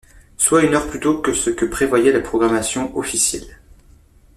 Soit une heure plus tôt que ce que prévoyait la programmation officielle.